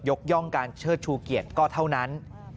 ย่องการเชิดชูเกียรติก็เท่านั้น